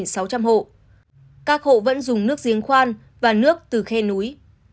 các hộ vẫn dùng nước giếng khoan và nước từ khe núi